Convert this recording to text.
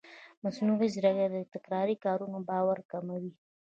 مصنوعي ځیرکتیا د تکراري کارونو بار کموي.